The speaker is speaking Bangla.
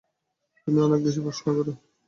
তুমি অনেক বেশি প্রশ্ন করো।